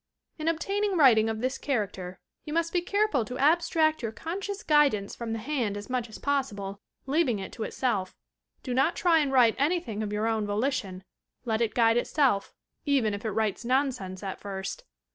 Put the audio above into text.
In obtaining writing of this character you must be careful to abstract your conscious guidance from the hand as much as possible, leaving it to itself. Do not try and write anything of your own volition; let it guide itself, even if it writes nonsense at first.